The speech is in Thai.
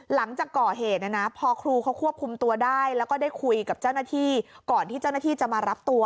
หลังจากก่อเหตุนะนะพอครูเขาควบคุมตัวได้แล้วก็ได้คุยกับเจ้าหน้าที่ก่อนที่เจ้าหน้าที่จะมารับตัว